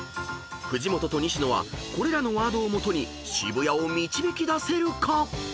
［藤本と西野はこれらのワードをもとに「渋谷」を導き出せるか？］